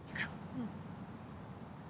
うん。